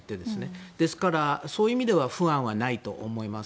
ですから、そういう意味では不安はないと思います。